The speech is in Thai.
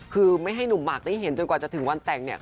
คือไม่ให้หนุ่มหมากได้เห็นจนกว่าจะถึงวันแต่งเนี่ย